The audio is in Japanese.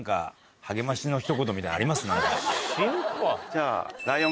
じゃあ。